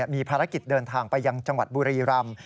มีภารกิจเดินทางไปยังจังหวัดบุรีรำ